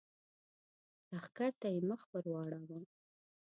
لښکر ته يې مخ ور واړاوه!